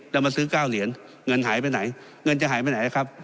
แล้วมาซื้อ๙เหรียญเงินหายไปไหนเงินจะหายไปไหนครับ